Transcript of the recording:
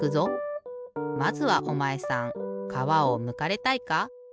まずはおまえさんかわをむかれたいか？